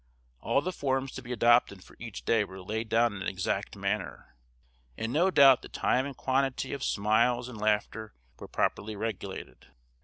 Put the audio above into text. All the forms to be adopted for each day were laid down in exact manner, and no doubt the time and quantity of smiles and laughter were properly regulated.